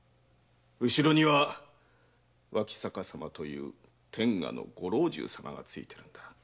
後ろには脇坂様という天下のご老中様が付いてるんだ。